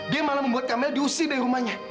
dia malah membuat kamel diusir dari rumahnya